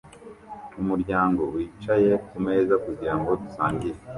Umuryango wicaye kumeza kugirango dusangire